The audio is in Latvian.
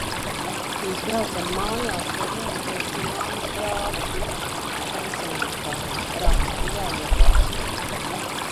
Pirms braucam mājās vēl jāiebrauc pie mammas brāļa – invalīda – pansionātā. Rakstu jāiebrauc.